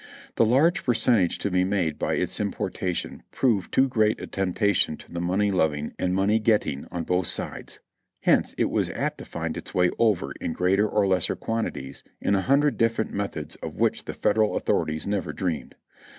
The large percentage to be made by its importation proved too great a temptation to the money loving and money getting on both sides, hence it was apt to find its way over in greater or lesser quantities in a hundred different methods of which the Federal authorities never dreamed.